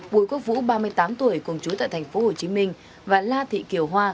bùi quốc vũ ba mươi tám tuổi cùng chú tại tp hcm và la thị kiều hoa